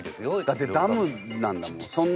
だってダムなんだもん